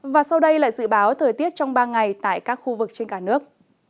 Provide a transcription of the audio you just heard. và sau đây là dự báo thời tiết trong ba ngày tại các khu vực trên cả nước